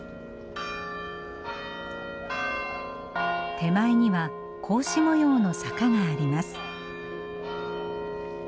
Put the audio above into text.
手前には格子模様の坂があります。